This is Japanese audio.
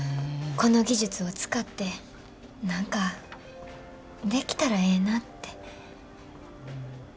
この技術を使って何かできたらええなって。